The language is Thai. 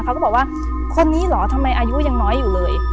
เขาก็บอกว่าคนนี้เหรอทำไมอายุยังน้อยอยู่เลย